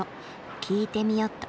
聞いてみよっと。